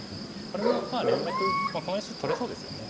これも連絡この石取れそうですよね。